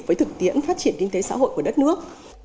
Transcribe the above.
với thực tiễn phát triển kinh tế xã hội của đất nước